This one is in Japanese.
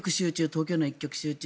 東京の一極集中。